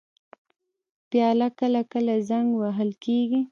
پیاله کله کله زنګ وهل کېږي.